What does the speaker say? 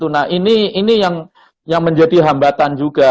nah ini yang menjadi hambatan juga